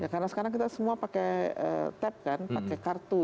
karena sekarang kita semua pakai tipe kan pakai kartu